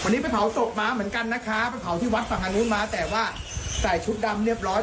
วันนี้ไปเผาศพมาเหมือนกันนะคะไปเผาที่วัดฝั่งทางนู้นมาแต่ว่าใส่ชุดดำเรียบร้อย